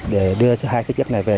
để đưa hai chiếc này về